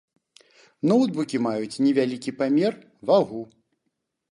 Ноўтбукі маюць невялікі памер, вагу.